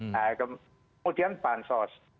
nah kemudian bansos